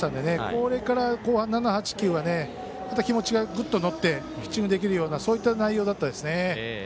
これから後半、７、８、９は気持ちが、ぐっと乗ってピッチングできるようなそういった内容だったですね。